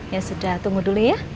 ya sudah tunggu dulu ya